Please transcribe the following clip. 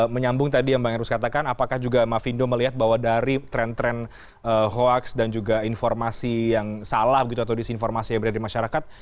menyambung tadi yang bang erus katakan apakah juga mafindo melihat bahwa dari tren tren hoax dan juga informasi yang salah gitu atau disinformasi yang berada di masyarakat